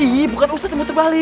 ih bukan usadz yang puter balik